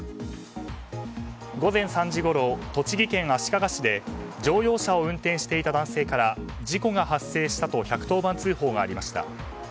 午前３時ごろ、栃木県足利市で乗用車を運転していた男性から事故が発生したと１１０番通報がありました。